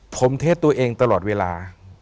ผมเทศตัวเองตลอดเวลา